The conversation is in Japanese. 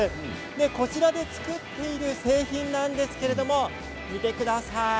こちらで作っている製品なんですけれど見てください